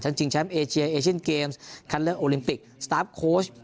ชิงแชมป์เอเชียเอเชียนเกมส์คัดเลือกโอลิมปิกสตาร์ฟโค้ช